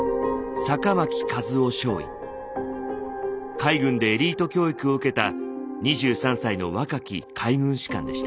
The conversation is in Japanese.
海軍でエリート教育を受けた２３歳の若き海軍士官でした。